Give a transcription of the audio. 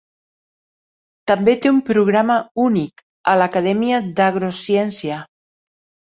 També té un programa únic a l'Acadèmia d'Agrociència.